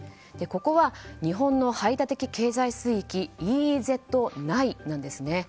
ここは日本の排他的経済水域・ＥＥＺ内なんですね。